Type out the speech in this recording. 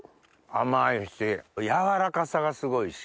甘いし軟らかさがすごいし。